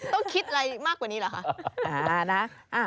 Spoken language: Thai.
ต้องคิดอะไรมากกว่านี้เหรอคะ